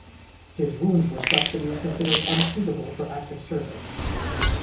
His wounds were such that he was considered unsuitable for active service.